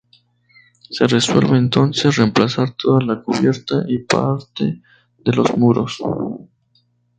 Se resuelve entonces remplazar toda la cubierta y parte de los muros.